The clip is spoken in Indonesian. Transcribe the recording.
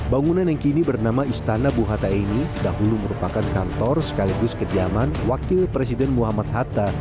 bangunan yang kini bernama istana bung hatta ini dahulu merupakan kantor sekaligus kediaman wakil presiden muhammad hatta